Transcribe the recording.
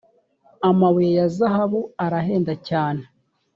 amabuye ya zahabu arahenda cyane